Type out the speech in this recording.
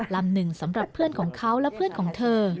ลำหนึ่งสำหรับเพื่อนของเขาและเพื่อนของเธอ